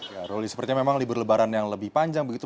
ya ruli sepertinya memang libur lebaran yang lebih panjang begitu